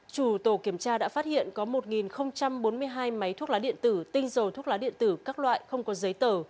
chủ tổ kiểm tra đã phát hiện có một bốn mươi hai máy thuốc lá điện tử tinh dầu thuốc lá điện tử các loại không có giấy tờ